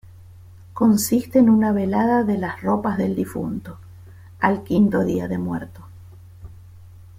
Consiste en una velada de las ropas del difunto, al quinto día de muerto.